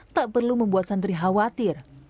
tak perlu membuat santri khawatir